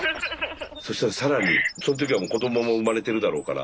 そしたら更にその時はもう子どもも生まれてるだろうから。